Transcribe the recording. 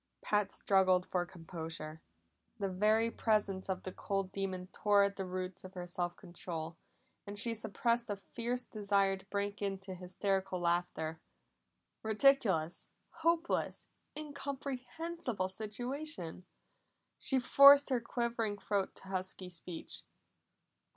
Pat struggled for composure. The very presence of the cold demon tore at the roots of her self control, and she suppressed a fierce desire to break into hysterical laughter. Ridiculous, hopeless, incomprehensible situation! She forced her quivering throat to husky speech.